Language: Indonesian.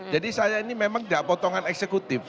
jadi saya ini memang tidak potongan eksekutif